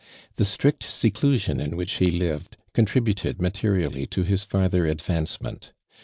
The strict seclusion m which he lived, contribut ed materially to his farther advancement.